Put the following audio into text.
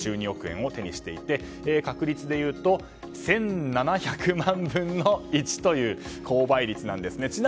１２億円を手にしていて確率でいうと１７００万分の１という高倍率なんですね。